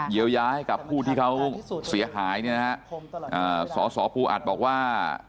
เยียวยาให้กับผู้ที่เขาเสียหายเนี่ยนะฮะสสปูอัดบอกว่า